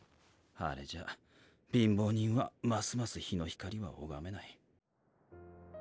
あれじゃ貧乏人はますます日の光は拝めない。